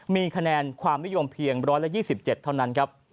มีคะแนนความนิยมเพียง๑๒๗เท่านั้นครับ